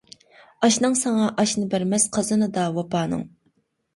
ئاشناڭ ساڭا ئاشنى بەرمەس، قازىنىدا ۋاپانىڭ.